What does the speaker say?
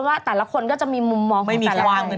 มันขึ้นศาลล่ะมันถึงแบบเราทำอะไรผิด